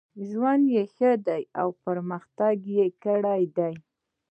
ژوند یې ښه دی او پرمختګ یې کړی دی.